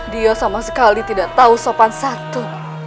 dia sama sekali tidak tahu sopan satu